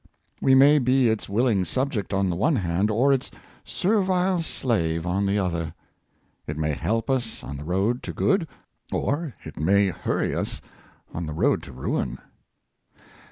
We may be its will ing subject on the one hand, or its servile slave on the other. It may help us on the road to good, or it may hurry us on the road to ruin.